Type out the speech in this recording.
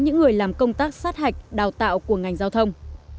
những người làm công tác sát hạch đào tạo của ngành giao thông